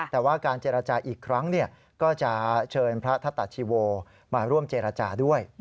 แต่ว่าการเจรจาอีกครั้งก็จะเชิญพระทัตตาชีโวมาร่วมเจรจาด้วย